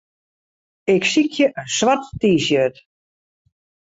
Ik sykje in swart T-shirt.